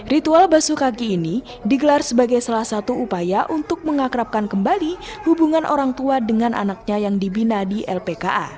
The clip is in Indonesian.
ritual basuh kaki ini digelar sebagai salah satu upaya untuk mengakrabkan kembali hubungan orang tua dengan anaknya yang dibina di lpka